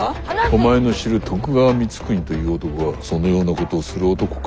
お前の知る徳川光圀という男はそのようなことをする男か？